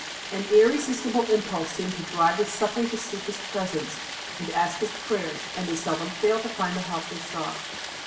An irresistible impulse seemed to drive the suffering to seek his presence and to ask his prayers, and they seldom failed to find the help that they sought.